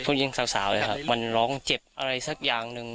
ผู้หญิงสาวเลยครับมันร้องเจ็บอะไรสักอย่างหนึ่ง